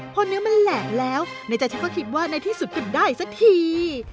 พอเนื้อมันแหลงแล้วในใจฉันก็คิดว่าในที่สุดก็ได้สักที